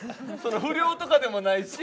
不良とかでもないし。